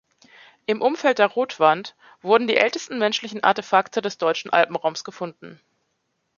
Im Umfeld der Rotwand wurden die ältesten menschlichen Artefakte des deutschen Alpenraums gefunden.